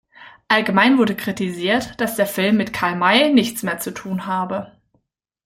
Allgemein wurde kritisiert, dass der Film mit Karl May nichts mehr zu tun habe.